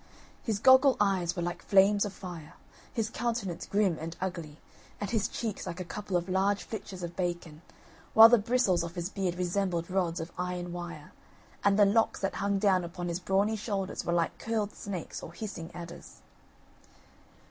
His goggle eyes were like flames of fire, his countenance grim and ugly, and his cheeks like a couple of large flitches of bacon, while the bristles of his beard resembled rods of iron wire, and the locks that hung down upon his brawny shoulders were like curled snakes or hissing adders.